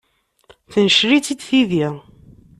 Tencel-itt-id tidi.